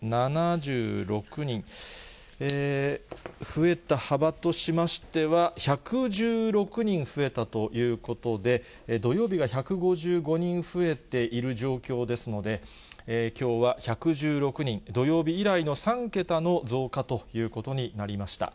増えた幅としましては、１１６人増えたということで、土曜日が１５５人増えている状況ですので、きょうは１１６人、土曜日以来の３桁の増加ということになりました。